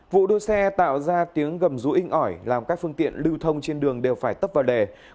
vụ đua xe tạo ra tiếng gầm rũ inh ỏi làm các phương tiện lưu thông trên đường đều phải tấp vào lề